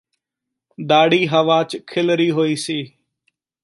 ਦਾੜ੍ਹੀ ਹਵਾ ਚ ਖਿਲਰੀ ਹੋਈ ਸੀ